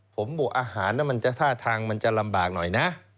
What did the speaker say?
ผมบอกอาหารท่าทางมันจะลำบากหน่อยนะ